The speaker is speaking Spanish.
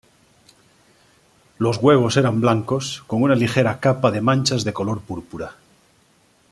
Los huevos eran blancos con una ligera capa de manchas de color púrpura.